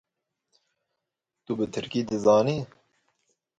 Tu bi tirkî dizanî?